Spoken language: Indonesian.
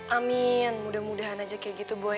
amin mudah mudahan aja kayak gitu boy